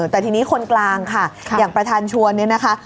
แต่ทีนี้คนกลางค่ะอย่างประธานชวนเนี่ยนะคะ